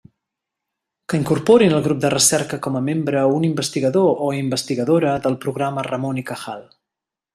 Que incorporin al grup de recerca com a membre un investigador o investigadora del programa Ramón y Cajal.